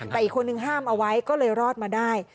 แต่อีกคนนึงห้ามเอาไว้ก็เลยรอดมาได้